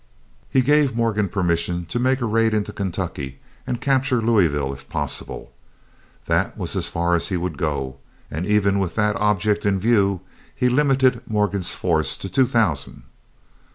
He gave Morgan permission to make a raid into Kentucky and capture Louisville if possible. That was as far as he would go, and even with that object in view, he limited Morgan's force to two thousand.